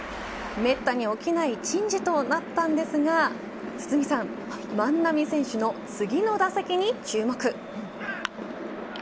めったに起きない珍事となったんですが堤さん、万波選手の次の打席に注目。